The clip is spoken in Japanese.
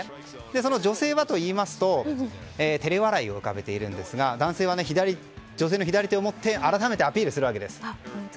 その女性はといいますと照れ笑いを浮かべているんですが男性は女性の左手を持って改めてアピールするわけです。